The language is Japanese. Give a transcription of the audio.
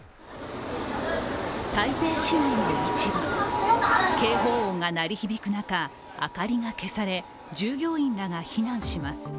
台北市内の市場警報音が鳴り響く中明かりが消され、従業員らが避難します。